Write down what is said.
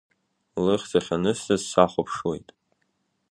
Лыхьӡ ахьанысҵаз сахәаԥшуеит.